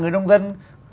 người nông dân